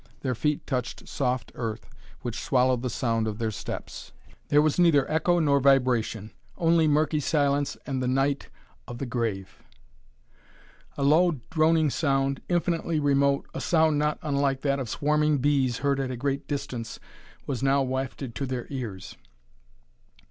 Their feet touched soft earth which swallowed the sound of their steps. There was neither echo nor vibration, only murky silence and the night of the grave. A low, droning sound, infinitely remote, a sound not unlike that of swarming bees heard at a great distance, was now wafted to their ears.